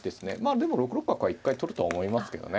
でも６六角は一回取るとは思いますけどね。